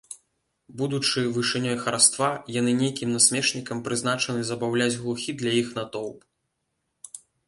Будучы вышынёй хараства, яны нейкім насмешнікам прызначаны забаўляць глухі для іх натоўп.